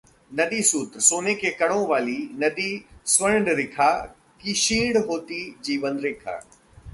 नदीसूत्रः सोने के कणों वाली नदी स्वर्णरेखा की क्षीण होती जीवनरेखा